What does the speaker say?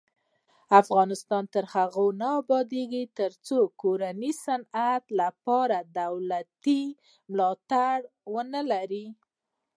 افغانستان تر هغو نه ابادیږي، ترڅو د کورني صنعت لپاره دولتي ملاتړ نه وي.